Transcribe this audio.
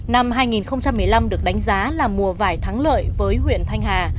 năm hai nghìn một mươi năm được đánh giá là mùa vải thắng lợi với huyện thanh hà